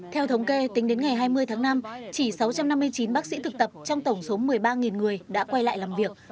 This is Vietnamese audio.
theo thống kê tính đến ngày hai mươi tháng năm chỉ sáu trăm năm mươi chín bác sĩ thực tập trong tổng số một mươi ba người đã quay lại làm việc